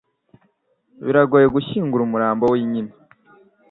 Biragoye gushyingura umurambo w'inkima.